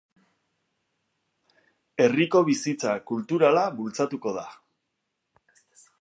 Herriko bizitza kulturala bultzatuko da.